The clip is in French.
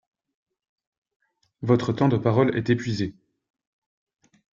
Votre temps de parole est épuisé.